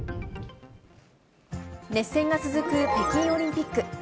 熱戦が続く北京オリンピック。